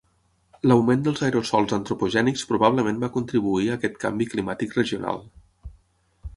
L'augment dels aerosols antropogènics probablement va contribuir a aquest canvi climàtic regional.